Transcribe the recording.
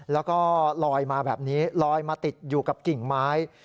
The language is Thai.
แล้วก็ลอยมาแบบนี้ลอยมาติดอยู่กับกิ่งไม้